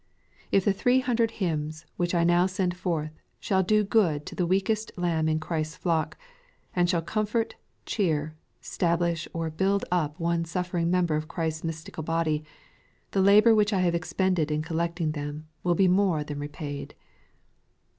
If the three hundred hymns, which I now send forth, shall do good to the weakest lamb in Christ's flock, and shall comfort, cheer, stablish, or build up one suffering member of Christ's mys tical body, the labour which I have expended in collecting them will be more than repaid.